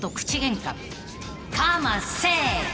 ［かませ！］